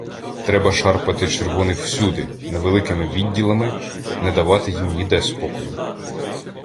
Треба шарпати червоних всюди, невеликими відділами, — не давати їм ніде спокою.